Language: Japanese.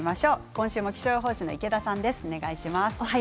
今週も気象予報士の池田さんです。